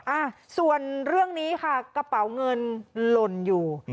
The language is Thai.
อ่าส่วนเรื่องนี้ค่ะกระเป๋าเงินหล่นอยู่